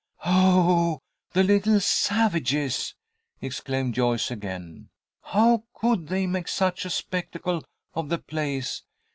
"Oh, the little savages!" exclaimed Joyce again. "How could they make such a spectacle of the place!